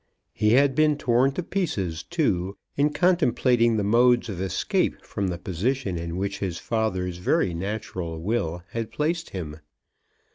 He had been torn to pieces, too, in contemplating the modes of escape from the position in which his father's very natural will had placed him.